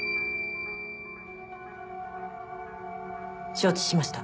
承知しました。